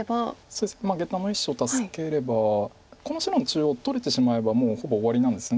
そうですゲタの１子を助ければこの白の中央取れてしまえばもうほぼ終わりなんです。